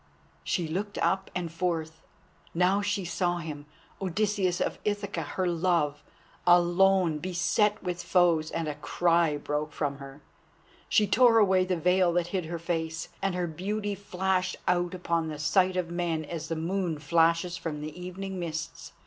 She looked up and forth. Now she saw him, Odysseus of Ithaca, her love, alone, beset with foes, and a cry broke from her. She tore away the veil that hid her face, and her beauty flashed out upon the sight of men as the moon flashes from the evening mists.